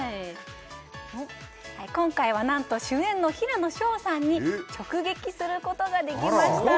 今回はなんと主演の平野紫耀さんに直撃することができました